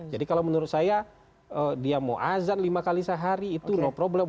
jadi kalau menurut saya dia mau azan lima kali sehari itu no problem